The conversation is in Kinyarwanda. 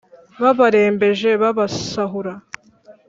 babarembeje babasahura